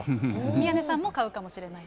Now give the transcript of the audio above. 宮根さんも買うかもしれない。